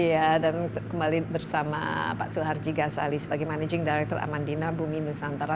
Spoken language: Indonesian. iya dan kembali bersama pak suharji gasali sebagai managing director amandina bumi nusantara